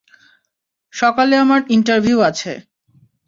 সকালে আমার ইন্টারভিউ আছে।